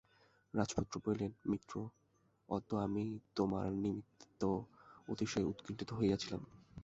রাজপুত্র বলিলেন, মিত্র, অদ্য আমি তোমার নিমিত্ত অতিশয় উৎকণ্ঠিত হইয়াছিলাম।